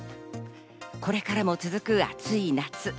これからも続く暑い夏。